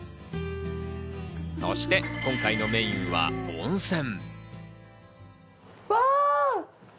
そして今回のメインは温泉。